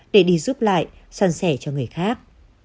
để đi giúp lại sàn sẻ cho người khác